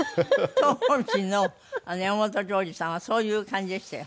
当時の山本譲二さんはそういう感じでしたよ。